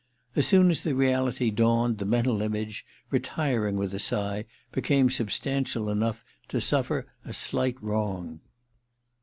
As soon as the reality dawned the mental image, retiring with a sigh, became substantial enough to suffer a slight wrong.